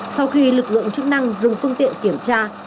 sau khi lực lượng chức năng dừng phương tiện kiểm tra